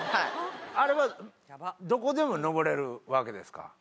あれはどこでも登れるわけですか？